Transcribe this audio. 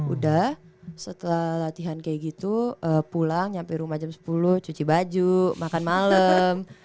udah setelah latihan kayak gitu pulang nyampe rumah jam sepuluh cuci baju makan malam